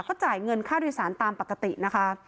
ก็จ่ายเงินค่าโดยสารตามปกตินะคะ